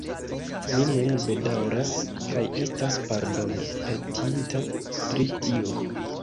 Mi nun bedaŭras kaj estas pardonpetinta pri tio.